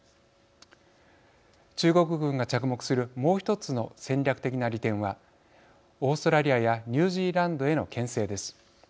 中国軍が着目するもう一つの戦略的な利点はオーストラリアやニュージーランドへのけん制です。